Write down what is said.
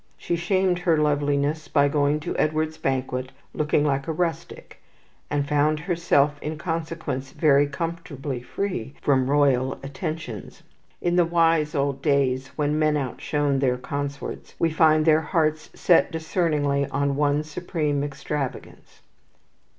She shamed her loveliness by going to Edward's banquet looking like a rustic, and found herself in consequence very comfortably free from royal attentions. In the wise old days when men outshone their consorts, we find their hearts set discerningly on one supreme extravagance.